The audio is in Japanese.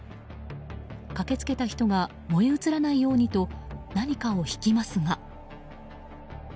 駆けつけた人が燃え移らないようにと何かを引きますが。